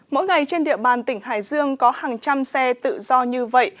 mỗi ngày trên địa bàn tỉnh hải dương có hàng trăm xe tự do như vậy